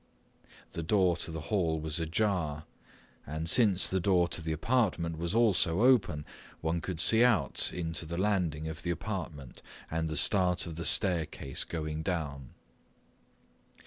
The door to the hall was ajar, and since the door to the apartment was also open, one could see out into the landing of the apartment and the start of the staircase going down.